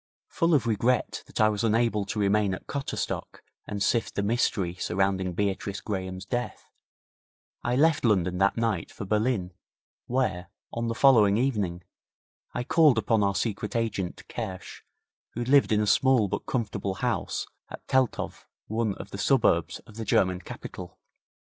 Full of regret that I was unable to remain at Cotterstock and sift the mystery surrounding Beatrice Graham's death, I left London that night for Berlin, where, on the following evening, I called upon our secret agent, Kersch, who lived in a small but comfortable house at Teltow, one of the suburbs of the German capital.